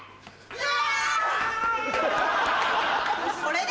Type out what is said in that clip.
うわ！